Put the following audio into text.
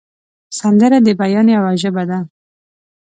سندره د بیان یوه ژبه ده